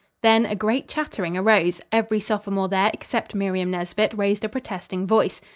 Then a great chattering arose. Every sophomore there except Miriam Nesbit raised a protesting voice.